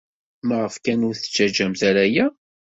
Maɣef kan ur tettaǧǧamt ara aya?